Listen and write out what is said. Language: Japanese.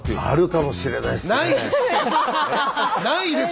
あるかもしれないっすね。